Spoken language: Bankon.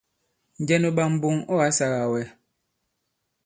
Njɛ nu ɓak mboŋ ɔ̂ ǎ sāgā wɛ?